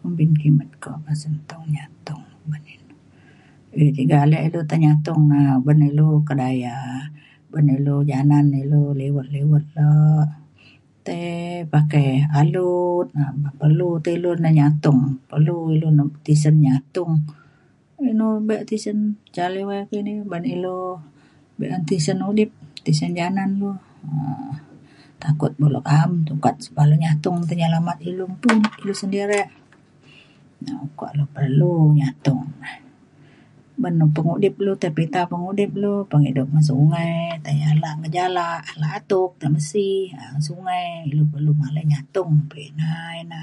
Kumbin kimet ko pasen tuk nyatung. Tiga ale ilu tai nyatung na uban ilu kedaya un ilu janan ilu liwet liwet le tai pakai alut na perlu te ilu tai nyatung perlu ilu tisen nyatung. Inu be tisen ca liwai kini ban ilu be’un tisen udip tisen janan lu um takut dulu kaam sukat sukat lu nyatung tai nyelamat ilu ilu sedirek. Na ukok na perlu nyatung na. Ban pengudip lu tai pita pengudip lu tai peng ida pu’un sungai tai ala ngejala ala atuk tai mesi sungai ilu perlu malai nyatung um pekina ina